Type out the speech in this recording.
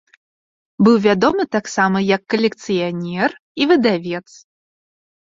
Быў вядомы таксама як калекцыянер і выдавец.